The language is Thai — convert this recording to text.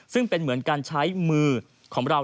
ซึ่งเป็นเหมือนการใช้มือของเรา